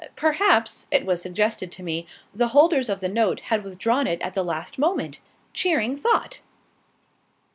Perhaps, it was suggested to me, the holders of the note had withdrawn it at the last moment. Cheering thought!